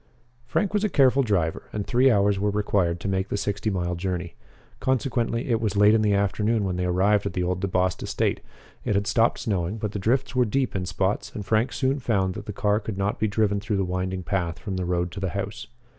Frank was a careful driver, and three hours were required to make the sixty mile journey. Consequently, it was late in the afternoon when they arrived at the old DeBost estate. It had stopped snowing, but the drifts were deep in spots, and Frank soon found that the car could not be driven through the winding path from the road to the house.